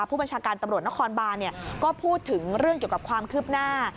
ผู้บัญชาการตำรวจนครบานก็พูดถึงเรื่องเกี่ยวกับความคืบหน้า